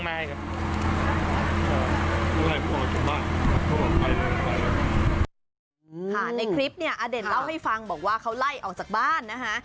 ในคลิปเนี่ยอเด่นเล่าให้ฟังบอกว่าเขาไล่ออกจากบ้านนะคะ